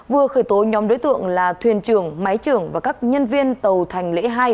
vừa khởi tố nhóm đối tượng là thuyền trưởng máy trưởng và các nhân viên tàu thành lễ hai